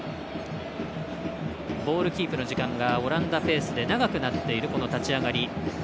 ボールキープの時間がオランダペースで長くなっている立ち上がり。